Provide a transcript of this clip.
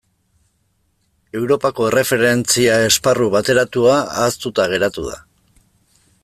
Europako Erreferentzia Esparru Bateratua ahaztuta geratu da.